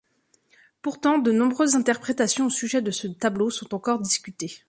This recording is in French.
Pourtant, de nombreuses interprétations au sujet de ce tableau sont encore discutées.